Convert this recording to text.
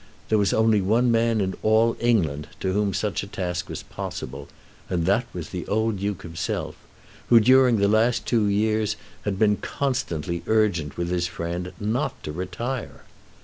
There was only one man in all England to whom such a task was possible, and that was the old Duke himself, who during the last two years had been constantly urgent with his friend not to retire!